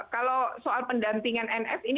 kalau soal pendampingan nf ini